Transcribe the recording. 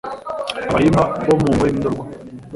’abahima bo mu nkore n’indorwa